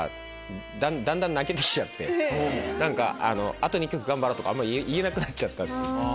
あと２曲頑張ろうとか言えなくなっちゃった。